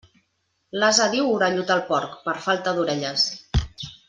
L'ase diu orellut al porc, per falta d'orelles.